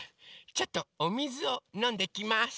ちょっとおみずをのんできます。